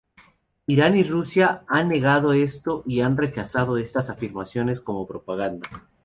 Irán y Rusia han negado esto y han rechazado estas afirmaciones como propaganda.